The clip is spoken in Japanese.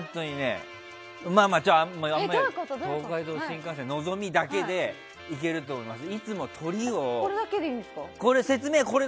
東海道新幹線「のぞみ」だけでいけると思います。